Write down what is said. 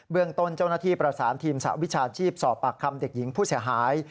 เรื่องต้นเจ้าหน้าที่ประสานทีมสหวิชาชีพสอบปากคำเด็กหญิงผู้เสียหาย